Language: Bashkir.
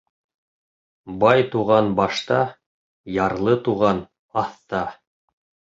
Бай туған башта, ярлы туған аҫта.